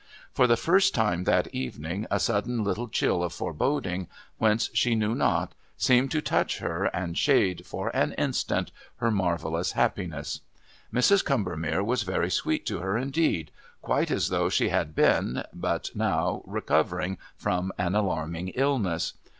For the first time that evening a sudden little chill of foreboding, whence she knew not, seemed to touch her and shade, for an instant, her marvellous happiness. Mrs. Combermere was very sweet to her indeed, quite as though she had been, but now, recovering from an alarming illness.